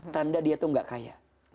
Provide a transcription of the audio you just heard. tanda dia tuh gak kaya